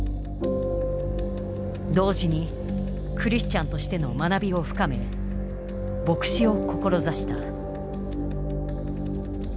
同時にクリスチャンとしての学びを深め牧師を志した。